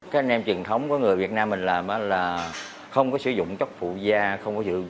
cái nêm truyền thống của người việt nam mình làm đó là không có sử dụng chất phụ da không có sử dụng